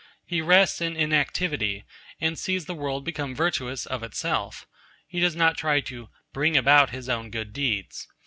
He rests in inactivity, and sees the world become virtuous of itself. He does not try to 'bring about his own good deeds.'